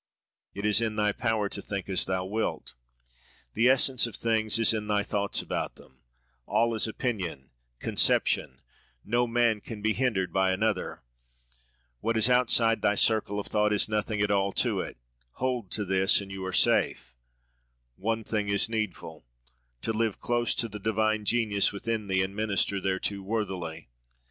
—"It is in thy power to think as thou wilt: The essence of things is in thy thoughts about them: All is opinion, conception: No man can be hindered by another: What is outside thy circle of thought is nothing at all to it; hold to this, and you are safe: One thing is needful—to live close to the divine genius within thee, and minister thereto worthily."